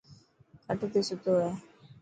کٽ تي ستو هي.